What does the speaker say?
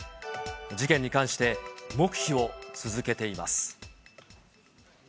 事件に関して、黙秘を続けています。